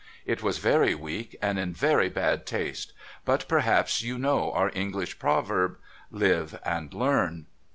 It was very weak, and in very bad taste ; but perhaps you know our English proverb, " Live and Learn."